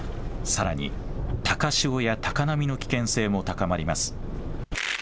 さらに、高潮や高波の危険性も高まります。